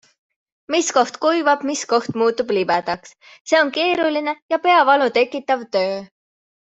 Mis koht kuivab, mis koht muutub libedaks - see on keeruliine ja peavalu tekitav töö.